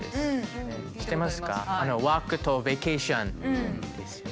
「ワーク」と「バケーション」ですね。